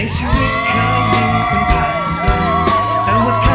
ขอเชิญอาทิตย์สำคัญด้วยค่ะ